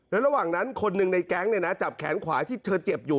แล้วระหว่างนั้นคนหนึ่งในแก๊งจับแขนขวาที่เธอเจ็บอยู่